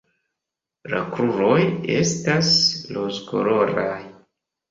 La kruroj estas rozkoloraj.